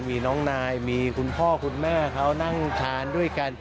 มีน้องนายมีคุณพ่อคุณแม่เขานั่งทานด้วยกัน